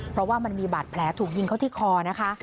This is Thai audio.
เพราะว่ามันมีบาดแผลถูกยิงเข้าที่คอนะคะ